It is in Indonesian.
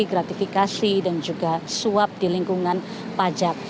gratifikasi dan juga suap di lingkungan pajak